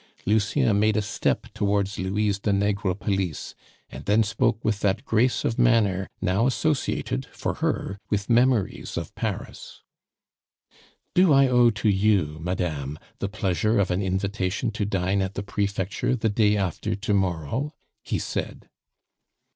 Lucien made a step towards Louise de Negrepelisse, and then spoke with that grace of manner now associated, for her, with memories of Paris. "Do I owe to you, madame, the pleasure of an invitation to dine at the Prefecture the day after to morrow?" he said.